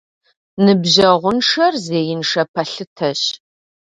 Ныбжьэгъуншэр зеиншэ пэлъытэщ.